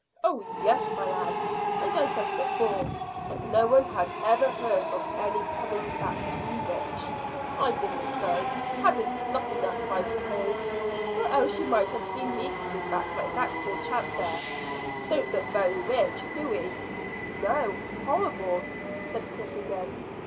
"Oh yes, my lad, as I said before; but no one had ever heard of any coming back to be rich. I didn't go. Hadn't pluck enough, I s'pose, or else you might have seen me come back like that poor chap there. Don't look very rich, do he?" "No: horrible," said Chris again.